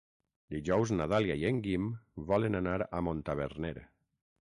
Dijous na Dàlia i en Guim volen anar a Montaverner.